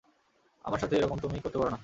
আমার সাথে এরকম তুমি করতে পারো না।